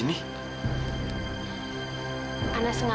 ya biar gua yakin tersisa pun ya